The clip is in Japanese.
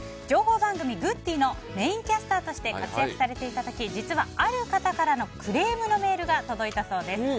情報番組「グッディ！」のメインキャスターとして活躍されていた時、実はある方からのクレームのメールが届いたそうです。